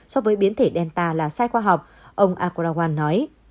so với biến thể delta là sai khoa học ông akoraguan nói